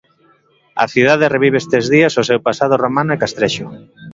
A cidade revive estes días o seu pasado romano e castrexo.